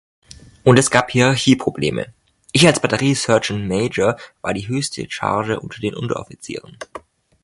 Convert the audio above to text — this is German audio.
Und es gab Hierarchie-Probleme: „Ich als Batterie-Sergant-Major war die höchste Charge unter den Unteroffizieren.